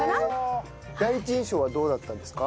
第一印象はどうだったんですか？